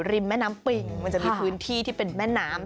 แม่น้ำปิงมันจะมีพื้นที่ที่เป็นแม่น้ำ